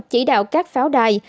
chỉ đạo các pháo đài